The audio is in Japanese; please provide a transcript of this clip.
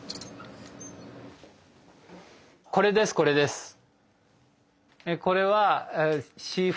これですこれです。